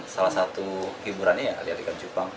salah satu hiburannya ya alih alih ikan cupang